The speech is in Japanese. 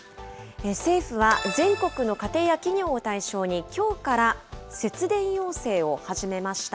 政府は全国の家庭や企業を対象に、きょうから節電要請を始めました。